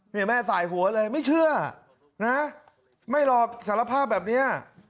นี่แม่สายหัวเลยไม่เชื่อนะไม่หรอกสารภาพแบบนี้